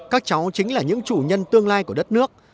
các cháu chính là những chủ nhân tương lai của đất nước